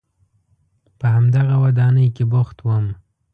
په همدغه ودانۍ کې بوخت وم.